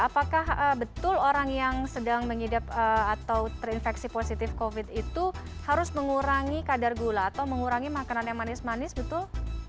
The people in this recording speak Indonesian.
apakah betul orang yang sedang mengidap atau terinfeksi positif covid itu harus mengurangi kadar gula atau mengurangi makanan yang manis manis betul